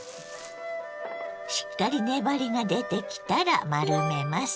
しっかり粘りが出てきたら丸めます。